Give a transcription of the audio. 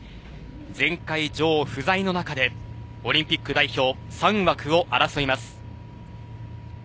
前回女王不在の中でオリンピック代表３枠を争います。